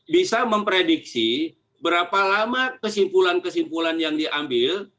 bisa memprediksi berapa lama kesimpulan kesimpulan yang diambil